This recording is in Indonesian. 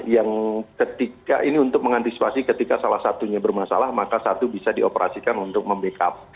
yang ketika ini untuk mengantisipasi ketika salah satunya bermasalah maka satu bisa dioperasikan untuk membackup